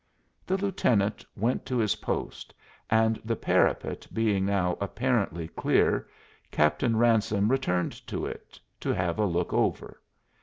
The lieutenant went to his post, and the parapet being now apparently clear Captain Ransome returned to it to have a look over.